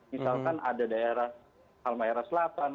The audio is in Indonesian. misalkan ada di daerah almaera selatan